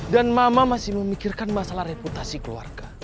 dan mama masih memikirkan masalah reputasi keluarga